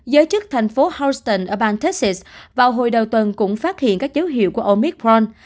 giới chức thành phố houston ở bang tex vào hồi đầu tuần cũng phát hiện các dấu hiệu của omicron